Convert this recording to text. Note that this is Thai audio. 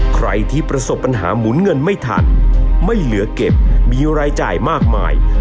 ใครที่ประสบปัญหาหมุนเงินไม่ทันไม่เหลือเก็บมีรายจ่ายมากมาย